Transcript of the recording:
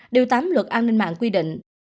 điều tám luật an ninh mạng quy định